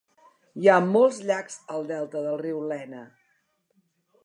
Hi ha molts llacs al delta del riu Lena.